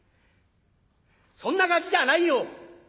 そんなガキじゃないよ。